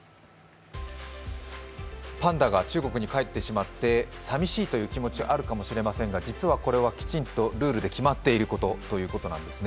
パンダが中国に帰ってしまって、さみしいという気持ちはあるかもしれませんが、実はこれはきちんとルールで決まっていることなんですね。